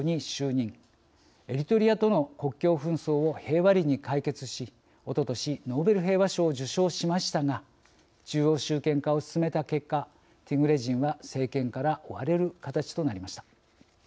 エリトリアとの国境紛争を平和裏に解決しおととしノーベル平和賞を受賞しましたが中央集権化を進めた結果ティグレ人は政権から追われる形となりました。